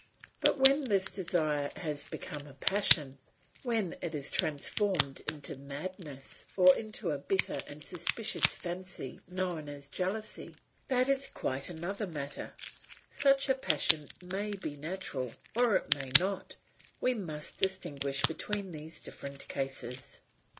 But when this desire has become a passion, when it is transformed into madness, or into a bitter and suspicious fancy known as jealousy, that is quite another matter; such a passion may be natural or it may not; we must distinguish between these different cases.